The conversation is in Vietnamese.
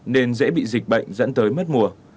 nên dễ bị dịch bệnh dẫn tới mất mùa